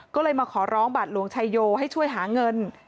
ก็เลยมาขอร้องบัตรหลวงชายโยให้ช่วยหาเงิน